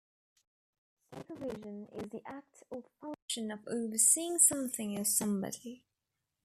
Supervision is the act or function of overseeing something or somebody.